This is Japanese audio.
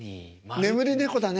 眠り猫だね。